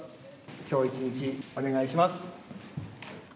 きょう一日お願いします。